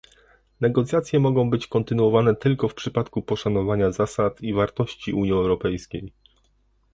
Negocjacje mogą być kontynuowane tylko w przypadku poszanowania zasad i wartości Unii Europejskiej